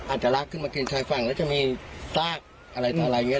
อาจจะลากขึ้นมากินทางด้านฝั่งแล้วจะมีซากอะไรอย่างเนี่ย